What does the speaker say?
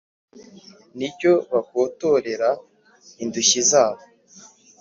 n’ icyo bakotorera indushyi zabo.